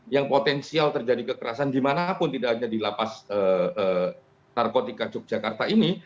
yang potensial terjadi kekerasan dimanapun tidak hanya di lapas narkotika yogyakarta ini